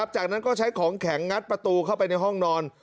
จากนั้นก็ใช้ของแข็งงัดประตูเข้าไปในห้องนอน